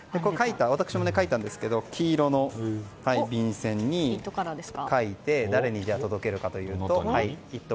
私も書いたんですが黄色の便せんに書いて誰に届けるかというと「イット！」